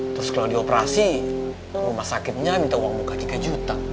terus kalau dioperasi rumah sakitnya minta uang buka tiga juta